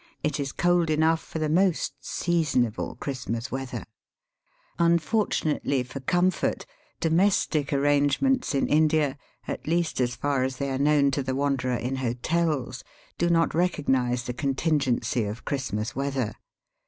It is cold enough for the most ^^ seasonable " Christmas weather. Un fortunately for comfort, domestic arrangements Digitized by VjOOQIC CHRISTMAS AT CAWNPORE. 251 in India — at least as far as they are known ta the wanderer in hotels — do not recognize the contingency of Christmas weather.